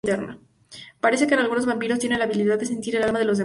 Parece que algunos vampiros tienen la habilidad de sentir el alma de los demás.